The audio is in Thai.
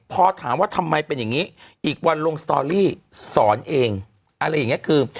พอถามว่าทำไมเป็นอย่างนี้อีกวันลงสตอรี่สอนเองอะไรอย่างนี้คือ